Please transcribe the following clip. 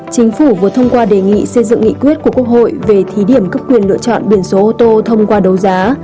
chính phủ vừa thông qua đề nghị xây dựng nghị quyết của quốc hội về thí điểm cấp quyền lựa chọn biển số ô tô thông qua đấu giá